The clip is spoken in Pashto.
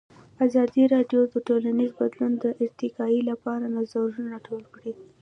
ازادي راډیو د ټولنیز بدلون د ارتقا لپاره نظرونه راټول کړي.